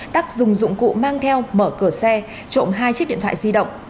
đắc dùng dụng cụ mang theo mở cửa xe trộm hai chiếc điện thoại di động